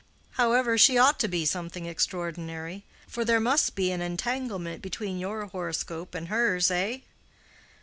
"However, she ought to be something extraordinary, for there must be an entanglement between your horoscope and hers—eh?